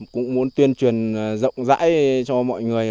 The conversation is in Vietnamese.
cũng muốn tuyên truyền rộng rãi cho mọi người